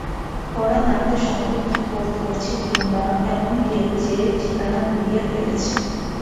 কড়া নাড়তে সঙ্কোচ বোধ করছে, কিংবা এমন কেউ, যে ঠিকানা গুলিয়ে ফেলেছে।